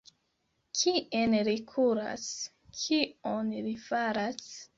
Kien li kuras? Kion li faras?